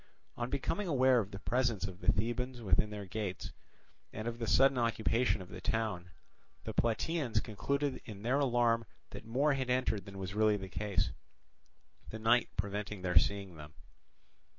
On becoming aware of the presence of the Thebans within their gates, and of the sudden occupation of the town, the Plataeans concluded in their alarm that more had entered than was really the case, the night preventing their seeing them.